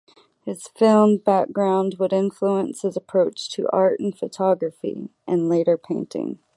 His film background would influence his approach to art in photography and later painting.